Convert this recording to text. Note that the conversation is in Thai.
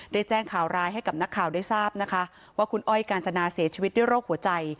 ได้แจ้งข่าวร้ายให้กับนักข่าวได้ทราบนะคะว่าคุณอ้อยกาญจนาเสียชีวิตด้วยโรคหัวใจ